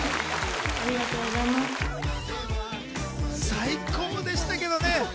最高でしたけどね。